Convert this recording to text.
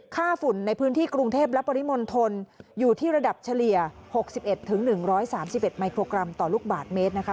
ฝุ่นในพื้นที่กรุงเทพและปริมณฑลอยู่ที่ระดับเฉลี่ย๖๑๑๓๑มิโครกรัมต่อลูกบาทเมตรนะคะ